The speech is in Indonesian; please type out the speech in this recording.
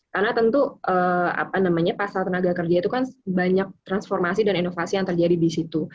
karena tentu apa namanya pasal tenaga kerja itu kan banyak transformasi dan inovasi yang terjadi di situ